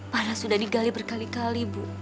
para sudah digali berkali kali bu